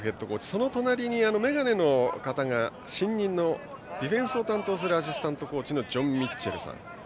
その隣に眼鏡の方が、新任のディフェンスを担当するアシスタントコーチのジョン・ミッチェルさん。